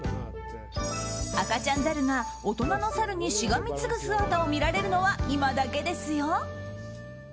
赤ちゃんザルが大人のサルにしがみつく姿を見られるのは今だけですよ。